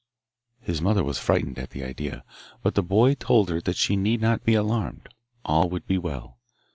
His mother was frightened at the idea, but the boy told her that she need not be alarmed; all would be well.